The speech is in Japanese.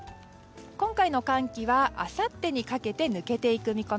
今回の寒気はあさってにかけて抜けていく見込み。